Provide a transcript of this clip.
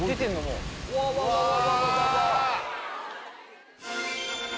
うわわわわ！